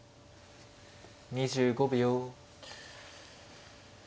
２５秒。